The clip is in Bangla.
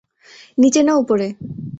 নিচে না উপরে!